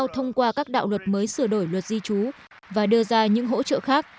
thông qua các đạo luật mới sửa đổi luật di trú và đưa ra những hỗ trợ khác